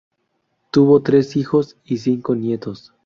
Tuvo tres hijos y cinco nietos.